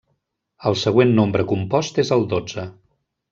El següent nombre compost és el dotze.